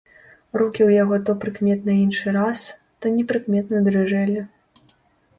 Рукі ў яго то прыкметна іншы раз, то непрыкметна дрыжэлі.